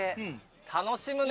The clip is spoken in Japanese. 楽しむね。